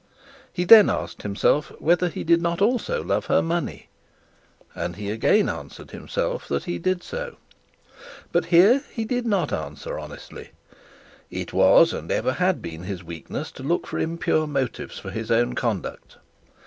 He then asked himself whether he did not also love her money; and he again answered himself that he did so. But here he did not answer honestly. It was and ever had been his weakness to look for impure motives for his own conduct.